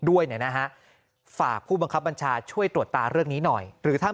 ด้วยเนี่ยนะฮะฝากผู้บังคับบัญชาช่วยตรวจตาเรื่องนี้หน่อยหรือถ้า